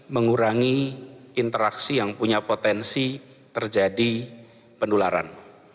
mengurangi interaksi yang punya potensi terjadi penularan